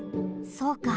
そうか。